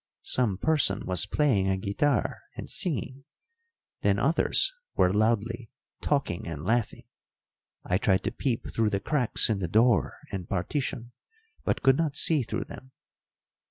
Some person was playing a guitar and singing, then others were loudly talking and laughing. I tried to peep through the cracks in the door and partition, but could not see through them.